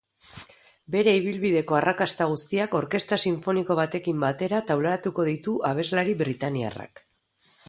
Bere ibilbideko arrakasta guztiak orkesta sinfoniko batekin batera taularatuko ditu abeslari britainiarrak.